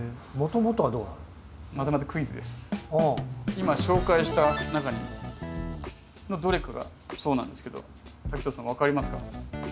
今紹介した中のどれかがそうなんですけど滝藤さん分かりますか？